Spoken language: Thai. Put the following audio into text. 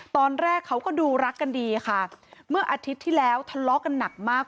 ตอนแรกเขาก็ดูรักกันดีค่ะเมื่ออาทิตย์ที่แล้วทะเลาะกันหนักมาก